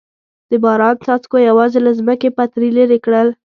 د باران څاڅکو یوازې له ځمکې پتري لرې کړل.